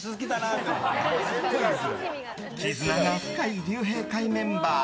絆が深い竜兵会メンバー。